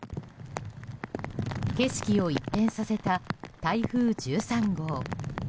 景色を一変させた台風１３号。